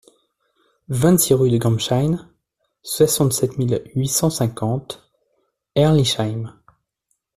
vingt-six rue de Gambsheim, soixante-sept mille huit cent cinquante Herrlisheim